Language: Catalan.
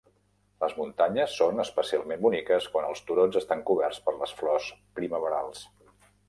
Les muntanyes són especialment boniques quan els turons estan coberts per les flors primaverals.